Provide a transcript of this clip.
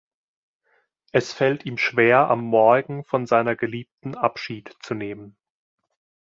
Es fällt ihm schwer am Morgen von seiner Geliebten Abschied zunehmen.